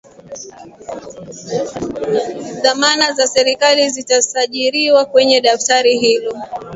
dhamana za serikali zitasajiriwa kwenye daftari hilo